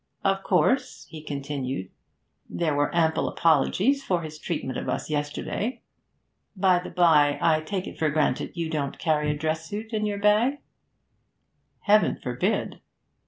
'Of course,' he continued, 'there were ample apologies for his treatment of us yesterday. By the bye, I take it for granted you don't carry a dress suit in your bag?' 'Heaven forbid!'